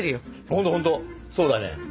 ほんとほんとそうだね。